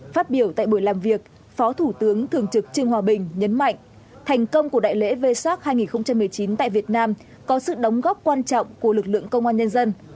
phát biểu tại buổi làm việc phó thủ tướng thường trực trương hòa bình nhấn mạnh thành công của đại lễ v sac hai nghìn một mươi chín tại việt nam có sự đóng góp quan trọng của lực lượng công an nhân dân